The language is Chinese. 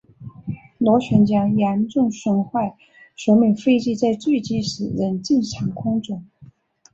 螺旋桨严重损坏说明飞机在坠机时仍正常工作。